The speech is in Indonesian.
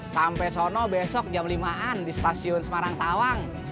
sampai solo besok jam lima an di stasiun semarang tawang